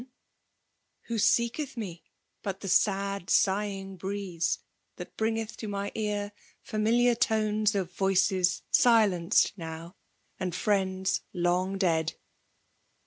en ? Who seeketh me but the sed sighing breeie That bringeth to my ear familiar toaes Of Toices silenced aow, and friends long dead